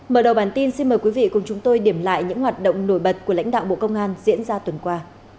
mở đầu bản tin xin mời quý vị cùng chúng tôi điểm lại những hoạt động nổi bật của lãnh đạo bộ công an diễn ra tuần qua